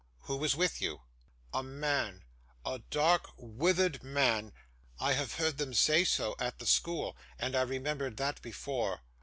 'Who was with you?' 'A man a dark, withered man. I have heard them say so, at the school, and I remembered that before.